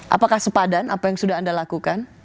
apakah sepadan apa yang sudah anda lakukan